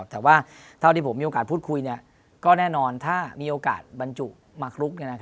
แต่ว่าเท่าที่ผมมีโอกาสพูดคุยก็แน่นอนถ้ามีโอกาสบรรจุมาคลุก